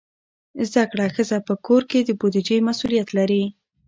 زده کړه ښځه په کور کې د بودیجې مسئولیت لري.